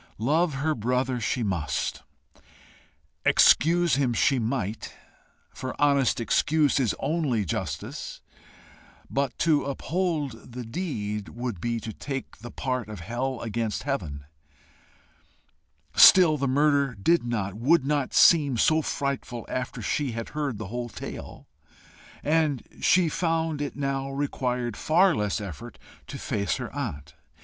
Love her brother she must; excuse him she might, for honest excuse is only justice; but to uphold the deed would be to take the part of hell against heaven. Still the murder did not, would not seem so frightful after she had heard the whole tale, and she found it now required far less effort to face her aunt.